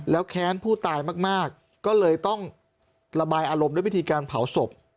แล้วแค้นผู้ตายมากก็เลยต้องระบายอารมณ์ด้วยวิธีการเผาศพ